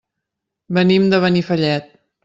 Venim de Benifallet.